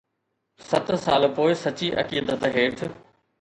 ست سال پوءِ سچي عقيدت هيٺ